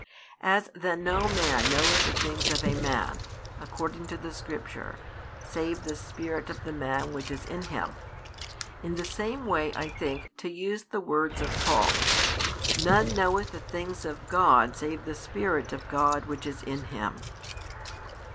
As then no man knoweth the things of a man, according to the Scripture, save the spirit of the man which is in him, in the same way, I think, to use the words of Paul, none knoweth the things of God save the Spirit of God which is in Him.